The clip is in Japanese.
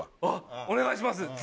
あっお願いします。